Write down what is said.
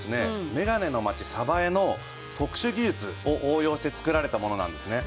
メガネの街江の特殊技術を応用して作られたものなんですね。